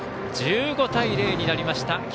１５対０になりました